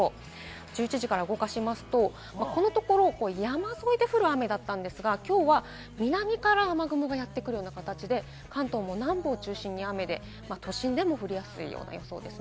１１時から動かしますと、このところ山沿いで降る雨だったんですが、きょうは南から雨雲がやってくる形で、関東も南部を中心に雨で都心でも降りやすい予想です。